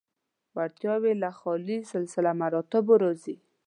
وړتیاوې له خیالي سلسله مراتبو راځي.